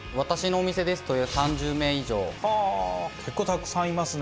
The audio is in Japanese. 結構たくさんいますね。